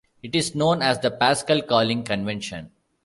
It is known as the Pascal calling convention.